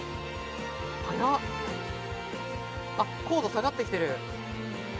高度下がってきてる。